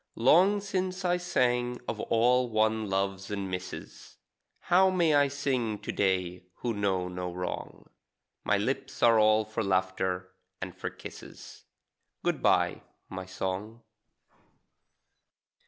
Long since I sang of all one loves and misses; How may I sing to day who know no wrong? My lips are all for laughter and for kisses. Good bye, my song.